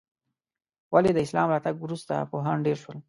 ولې د اسلام راتګ وروسته پوهان ډېر شول؟